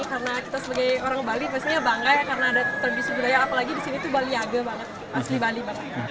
karena kita sebagai orang bali pastinya bangga ya karena ada tradisi budaya apalagi disini tuh baliaga banget asli bali banget